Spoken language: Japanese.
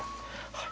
はい。